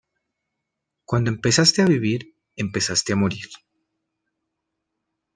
Cuando empezaste a vivir empezaste a morir.